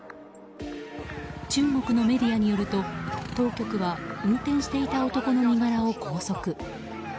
中国のメディアによると、当局は運転していた男の身柄を拘束。